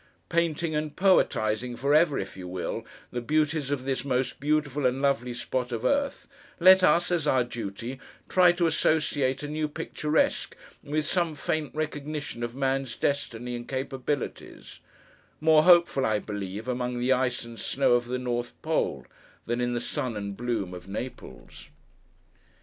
Painting and poetising for ever, if you will, the beauties of this most beautiful and lovely spot of earth, let us, as our duty, try to associate a new picturesque with some faint recognition of man's destiny and capabilities; more hopeful, I believe, among the ice and snow of the North Pole, than in the sun and bloom of Naples.